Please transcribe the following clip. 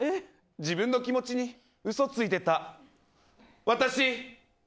自分の気持ちに嘘ついてた。